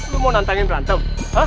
lu mau nantangin berantem